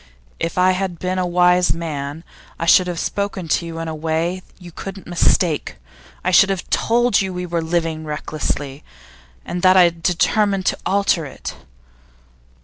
If I had been a wise man, I should have spoken to you in a way you couldn't mistake. I should have told you that we were living recklessly, and that I had determined to alter it.